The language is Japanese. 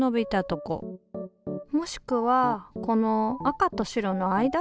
もしくはこの赤と白の間？